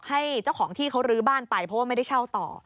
ให้เจ้าของที่เขารื้อบ้านไปเพราะว่าไม่ได้เช่าต่อ